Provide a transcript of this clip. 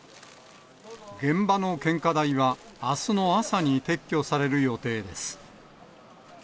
現場の献花台は、あすの朝に撤去される予定です。